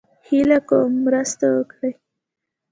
هيله کوم مرسته وکړئ